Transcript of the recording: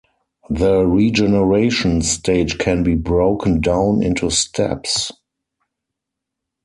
The regeneration stage can be broken down into steps.